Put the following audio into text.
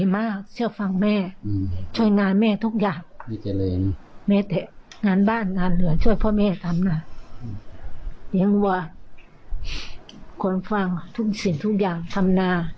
แม้แต่งานบ้านงานเหลือช่วยพ่อแม่ทำนาอย่างว่าคนฟังทุกสิ่งทุกอย่างทำนา